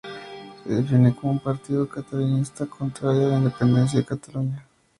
Se define como un partido catalanista contrario a la independencia de Cataluña.